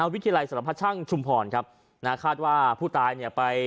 วิทยาลัยสำหรับพระช่างชุมผ่อนครับคาดว่าผู้ตายเนี่ยไป